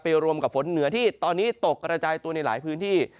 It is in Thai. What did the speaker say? รวมกับฝนเหนือที่ตอนนี้ตกกระจายตัวในหลายพื้นที่